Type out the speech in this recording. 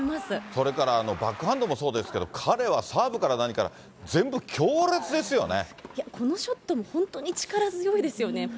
それからバックハンドもそうですが、彼はサーブから何から全いや、このショットも本当に力強いですよね。